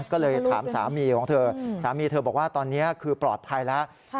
ก็เลยถามสามีของเธอสามีเธอบอกว่าตอนนี้คือปลอดภัยแล้ว